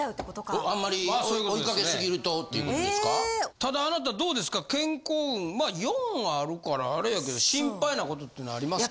ただあなたどうですか健康運まあ４はあるからあれやけど心配なことっていうのはありますか？